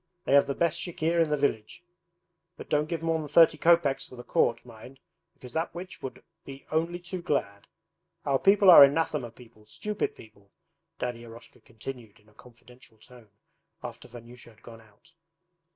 They have the best chikhir in the village. But don't give more than thirty kopeks for the quart, mind, because that witch would be only too glad.... Our people are anathema people; stupid people,' Daddy Eroshka continued in a confidential tone after Vanyusha had gone out.